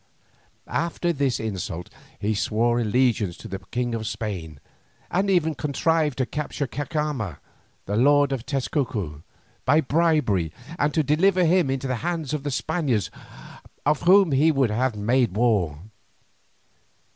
After this insult he swore allegiance to the King of Spain, and even contrived to capture Cacama, the lord of Tezcuco, by treachery and to deliver him into the hands of the Spaniards on whom he would have made war.